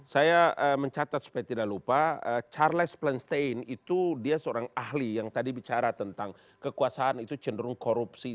saya mencatat supaya tidak lupa charles plenstein itu dia seorang ahli yang tadi bicara tentang kekuasaan itu cenderung korupsi